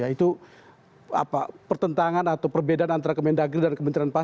itu pertentangan atau perbedaan antara kemendagri dan kementerian pas